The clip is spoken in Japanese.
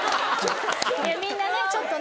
みんなねちょっとね。